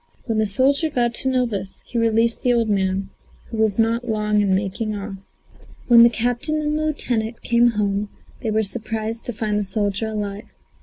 When the soldier got to know this, he released the old man, who was not long in making off. When the captain and lieutenant came home they were surprised to find the soldier alive.